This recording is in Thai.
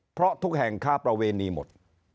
เพราะทุกแห่งค้าประเวณีหมด